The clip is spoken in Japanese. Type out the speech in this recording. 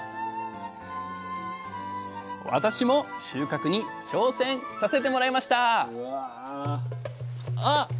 私も収穫に挑戦させてもらいましたあ